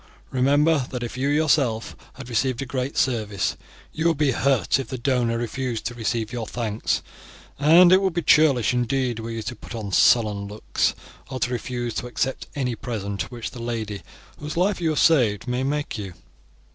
Remember that if you yourself had received a great service you would be hurt if the donor refused to receive your thanks; and it would be churlish indeed were you to put on sullen looks, or to refuse to accept any present which the lady whose life you have saved may make you.